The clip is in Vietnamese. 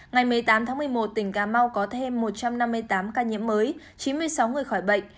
ngày một mươi tám tháng một mươi một tỉnh cà mau có thêm một trăm năm mươi tám ca nhiễm mới chín mươi sáu người khỏi bệnh